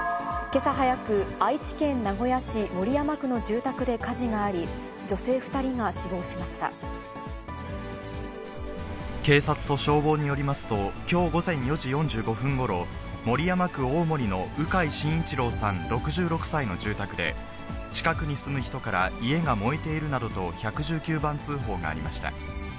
けさ早く、愛知県名古屋市守山区の住宅で火事があり、女性２人が死亡しまし警察と消防によりますと、きょう午前４時４５分ごろ、守山区大森の鵜飼愼一郎さん６６歳の住宅で、近くに住む人から、家が燃えているなどと１１９番通報がありました。